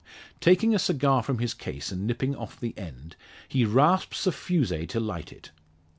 Taking a cigar from his case and nipping off the end, he rasps a fusee to light it.